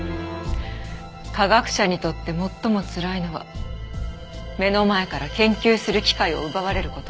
科学者にとって最もつらいのは目の前から研究する機会を奪われる事。